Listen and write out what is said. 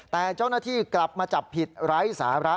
แต่เจ้าหน้าที่กลับมาจับผิดไร้สาระ